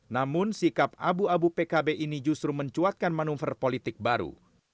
namun sikap abu abu pkb ini justru mencuatkan manuver politik baru